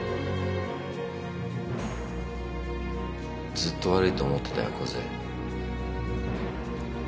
ずっと悪いと思ってたよ梢。